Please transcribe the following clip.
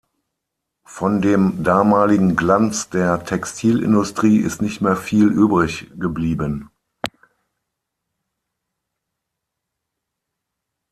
Von dem damaligen „Glanz“ der Textilindustrie ist nicht mehr viel übrig geblieben.